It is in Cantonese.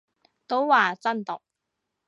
都話真毒